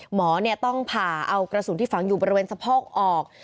หมอต้องผ่าเอากระสุนที่ฝังอยู่บริเวณสะโพกออก